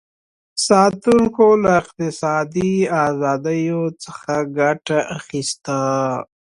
ساتونکو له اقتصادي ازادیو څخه ګټه اخیسته.